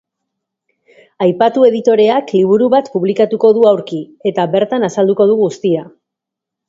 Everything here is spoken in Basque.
Aipatu editoreak liburu bat publikatuko du aurki eta bertan azalduko du guztia.